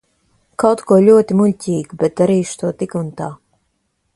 Kaut ko ļoti muļķīgu, bet darīšu to tik un tā.